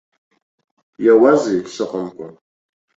Иауазеи, сыҟамкәа!